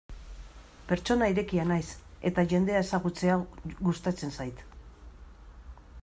Pertsona irekia naiz eta jendea ezagutzea gustatzen zait.